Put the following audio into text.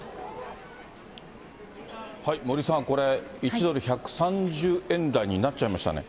森さん、これ、１ドル１３０円台になっちゃいましたね。